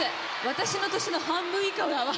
私の年の半分以下だわ。